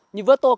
như với tôi